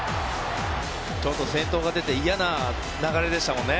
先頭が出て嫌な流れでしたもんね。